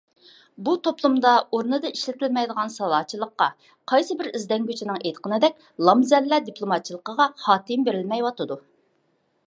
بۇ توپلۇمدا ئورنىدا ئىشلىتىلمەيدىغان سالاچىلىققا، قايسى بىر ئىزدەنگۈچىنىڭ ئېيتقىنىدەك "لامزەللە" دىپلوماتچىلىققا خاتىمە بېرىلمەيۋاتىدۇ.